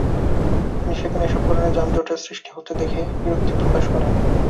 তিনি সেখানে এসব কারণে যানজটের সৃষ্টি হতে দেখে বিরক্তি প্রকাশ করেন।